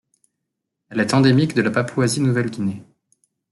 Elle est endémique de la Papouasie-Nouvelle-Guinée.